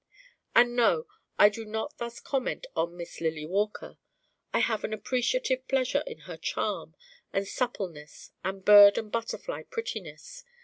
And no, I do not thus comment on Miss Lily Walker. I have an appreciative pleasure in her charm and suppleness and bird and butterfly prettiness.